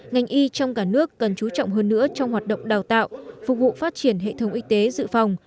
ngành y trong cả nước cần chú trọng hơn nữa trong hoạt động đào tạo phục vụ phát triển hệ thống y tế dự phòng